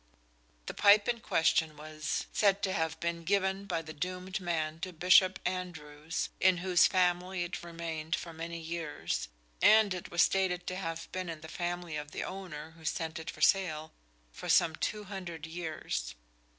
The pipe in question was said to have been given by the doomed man to Bishop Andrewes, in whose family it remained for many years, and it was stated to have been in the family of the owner, who sent it for sale, for some 200 years.